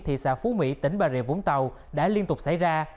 thị xã phú mỹ tỉnh bà rịa vũng tàu đã liên tục xảy ra